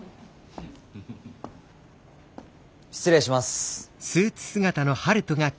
失礼します。